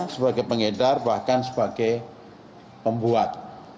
sebagai pengedar bahkan sebagai pembuat